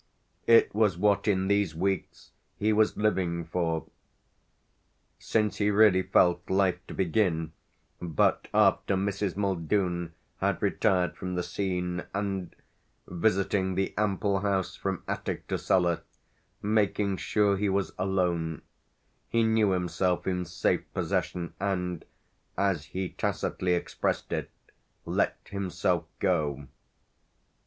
It was what in these weeks he was living for since he really felt life to begin but after Mrs. Muldoon had retired from the scene and, visiting the ample house from attic to cellar, making sure he was alone, he knew himself in safe possession and, as he tacitly expressed it, let himself go.